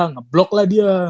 ngeblok lah dia